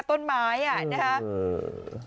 ต้นไม้อ่ะนะครับ